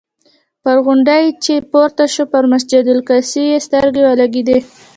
پر غونډۍ چې پورته شو پر مسجد الاقصی یې سترګې ولګېدې.